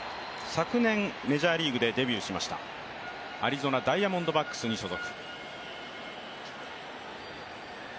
昨年、メジャーリーグでデビューしましたアリゾナ・ダイヤモンドバックスに所属。